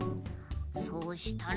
そうしたら。